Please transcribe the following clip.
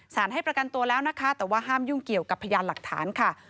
ให้ประกันตัวแล้วนะคะแต่ว่าห้ามยุ่งเกี่ยวกับพยานหลักฐานค่ะ